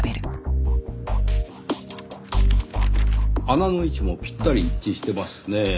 穴の位置もぴったり一致してますねぇ。